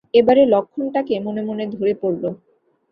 এবারে লক্ষণটাকে মনে মনে ধরে পড়ল।